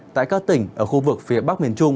tại các tỉnh ở khu vực phía bắc miền trung